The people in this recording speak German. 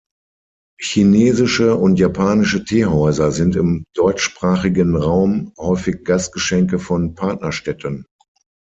Chinesische und japanische Teehäuser sind im deutschsprachigen Raum häufig Gastgeschenke von Partnerstädten.